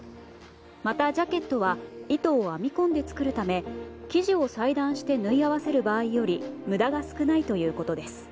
またジャケットは糸を編み込んで作るため生地を裁断して縫い合わせる場合より無駄が少ないということです。